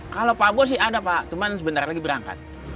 kalau pak bos sih ada pak cuman sebentar lagi berangkat